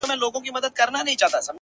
هسې سترگي پـټـي دي ويــــده نــه ده ـ